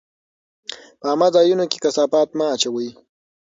په عامه ځایونو کې کثافات مه اچوئ.